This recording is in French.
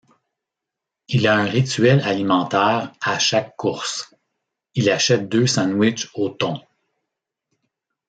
Il a un rituel alimentaire à chaque course:il achète deux sandwichs au thon.